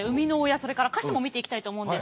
それから歌詞も見ていきたいと思うんですけど。